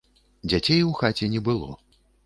Дзяцей у хаце не было.